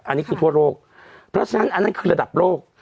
อันนี้คือทั่วโลกเพราะฉะนั้นอันนั้นคือระดับโลก